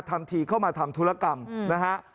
ทำทีเข้ามาทำธุรกรรมนะฮะ